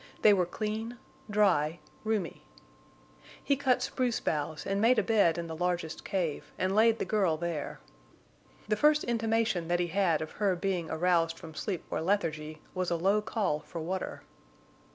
They were clean, dry, roomy. He cut spruce boughs and made a bed in the largest cave and laid the girl there. The first intimation that he had of her being aroused from sleep or lethargy was a low call for water.